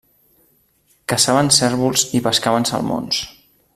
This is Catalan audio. Caçaven cérvols i pescaven salmons.